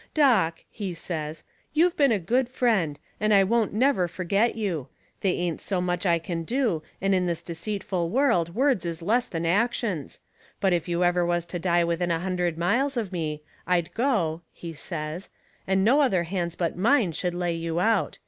"Doc," he says, "you've been a good friend, and I won't never forget you. They ain't much I can do, and in this deceitful world words is less than actions. But if you ever was to die within a hundred miles of me, I'd go," he says, "and no other hands but mine should lay you out.